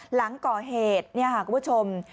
หลังก่อเหตุเนี่ยค่ะคุณผู้ชม